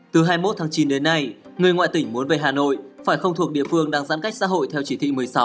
từ hai mươi một tháng chín đến nay người ngoại tỉnh muốn về hà nội phải không thuộc địa phương đang giãn cách xã hội theo chỉ thị một mươi sáu